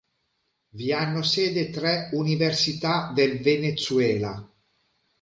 Vi hanno sede tre università del Venezuela.